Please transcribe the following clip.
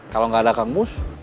kalau enggak ada kangmus